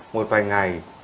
một vài ngày